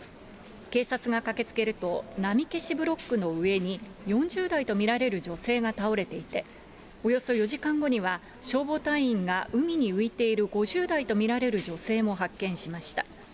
警察が駆けつけると波消しブロックの上に、４０代と見られる女性が倒れていて、およそ４時間後には、消防隊員が海に浮いている５０代と見られる女性も発見しました。